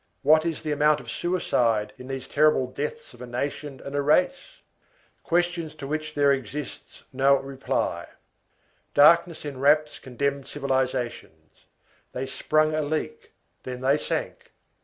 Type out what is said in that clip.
What is the amount of suicide in these terrible deaths of a nation and a race? Questions to which there exists no reply. Darkness enwraps condemned civilizations. They sprung a leak, then they sank.